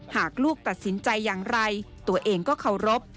หากลูกตัดสินใจอย่างไรตัวเองก็เคารพ